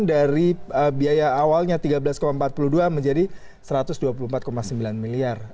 dari biaya awalnya tiga belas empat puluh dua menjadi rp satu ratus dua puluh empat sembilan miliar